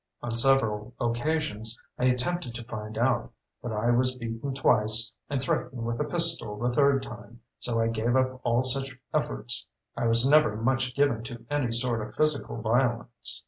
On several occasions, I attempted to find out, but I was beaten twice and threatened with a pistol the third time, so I gave up all such efforts. I was never much given to any sort of physical violence.